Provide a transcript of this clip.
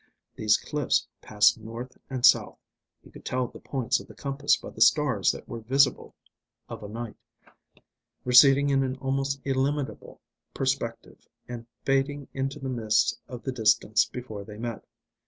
These cliffs passed north and south he could tell the points of the compass by the stars that were visible of a night receding in an almost illimitable perspective and fading into the mists of the distance before they met.